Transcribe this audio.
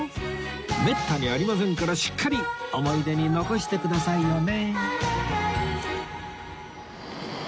めったにありませんからしっかり思い出に残してくださいよね